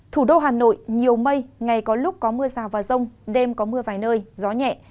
thủ đô hà nội nhiều mây ngày có lúc có mưa rào và rông đêm có mưa vài nơi gió nhẹ